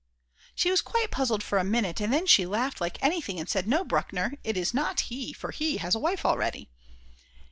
She was quite puzzled for a minute, and then she laughed like anything and said, "No, Bruckner, it is not he, for he has a wife already."